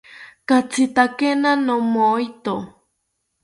Katzitakena nomoeto